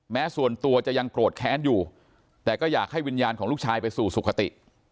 แม้ส่วนตัวจะยังโกรธแค้นอยู่แต่ก็อยากให้วิญญาณของลูกชายไปสู่สุขติ